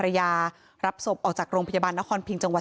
ชาวบ้านในพื้นที่บอกว่าปกติผู้ตายเขาก็อยู่กับสามีแล้วก็ลูกสองคนนะฮะ